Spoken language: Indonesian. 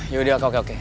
yaudah oke oke